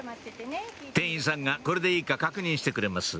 店員さんがこれでいいか確認してくれます